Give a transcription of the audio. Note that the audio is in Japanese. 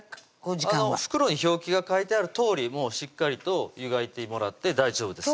時間は袋に表記が書いてあるとおりもうしっかりと湯がいてもらって大丈夫です